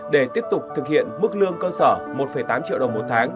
để tiếp tục thực hiện mức lương cơ sở một tám triệu đồng một tháng